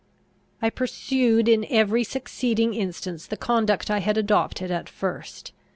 I pursued in every succeeding instance the conduct I had adopted at first.